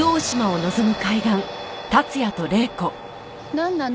なんなの？